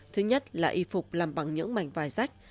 thứ nhất là y phục làm bằng những mảnh vài rách